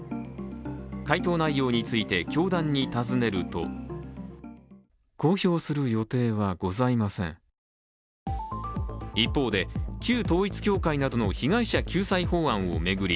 回答内容について教団に尋ねると一方で旧統一教会などの被害者救済法案を巡り